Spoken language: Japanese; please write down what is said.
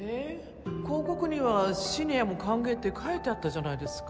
広告には「シニアも歓迎」って書いてあったじゃないですか